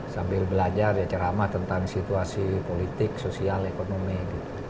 sambil belajar ya ceramah tentang situasi politik sosial ekonomi